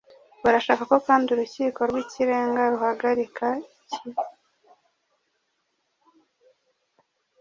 Barashaka ko kandi urukiko rw’ikirenga ruhagarika igabana ry’uwo murage mu gihe ikibazo cyabo kitarakemuka